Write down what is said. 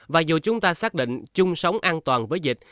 và dù chúng ta xác định chung sống an toàn với dịch